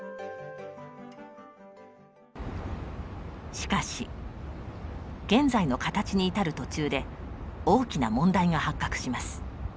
しかし現在の形に至る途中で大きな問題が発覚します。